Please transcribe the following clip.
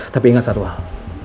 tapi ingat satu hal